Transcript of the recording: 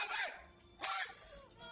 teriak teriak kayak orang gila